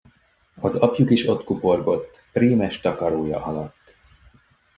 Az apjuk is ott kuporgott prémes takarója alatt.